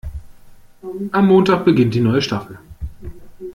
Am Montag beginnt die neue Staffel.